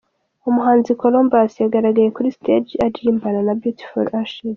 Umuhanzi Colombus yagaragaye kuri stage aririmbana na Beauty For Ashes.